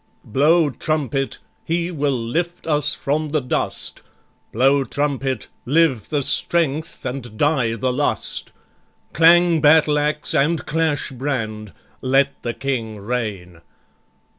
"Blow trumpet! he will lift us from the dust. Blow trumpet! live the strength and die the lust! Clang battle axe, and clash brand! Let the King reign.